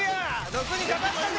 毒にかかったで。